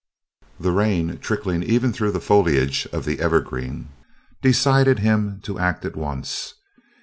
The rain, trickling even through the foliage of the evergreen, decided him to act at once.